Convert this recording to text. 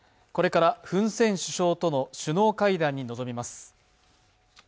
これからフン・セン首相との首脳会談に臨みます。